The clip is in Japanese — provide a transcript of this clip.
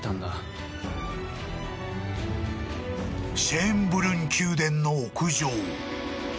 ［シェーンブルン宮殿の屋上］